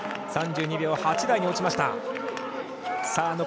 ３２秒８台に落ちました。